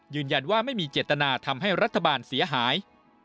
ยืนยันว่าไม่มีเจตนาทำให้รัฐบาลเสียหาย